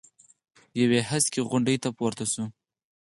یوې هسکې غونډۍ ته پورته شي.